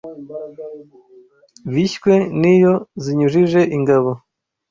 Bishywe n’iyo zinyujije ingabo